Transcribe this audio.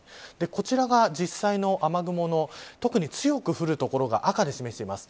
こちらが実際の雨雲の特に強く降る所が赤で示しています。